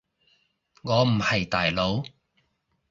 我唔係大佬